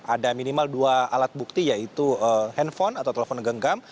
ada minimal dua alat bukti yaitu handphone atau telepon genggam